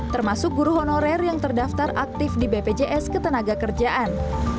termasuk guru honorer yang terdaftar aktif di bpjs ketenaga kerjaan